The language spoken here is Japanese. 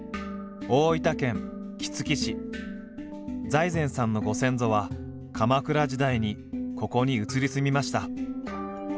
財前さんのご先祖は鎌倉時代にここに移り住みました。